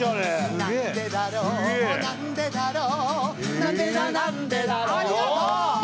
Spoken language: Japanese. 「なんでだなんでだろう」